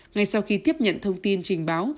ngay sau khi tiếp nhận thông tin trình báo